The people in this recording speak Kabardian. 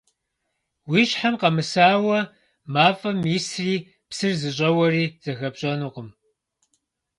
Уи щхьэм къэмысауэ мафӀэм исри псыр зыщӀэуари зыхэпщӀэнукъым.